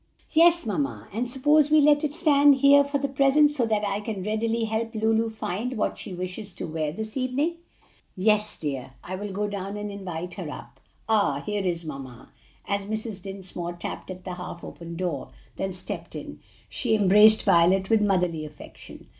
"Yes, mamma, and suppose we let it stand here for the present so that I can readily help Lulu find what she wishes to wear this evening." "Yes, dear. I will go down and invite her up. Ah, here is mamma!" as Mrs. Dinsmore tapped at the half open door, then stepped in. She embraced Violet with motherly affection.